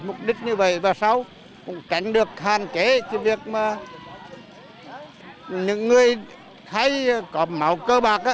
mục đích như vậy và sau cũng tránh được hàn kế cho việc mà những người hay có màu cơ bạc